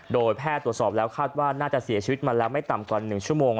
โดยแพทย์ตรวจสอบแล้วคาดว่าน่าจะเสียชีวิตมาแล้วไม่ต่ำกว่า๑ชั่วโมง